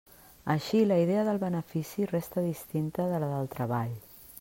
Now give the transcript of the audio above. Així, la idea del benefici resta distinta de la del treball.